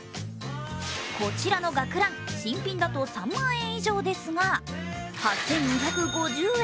こちらの学ラン、新品だと３万円以上ですが８２５０円。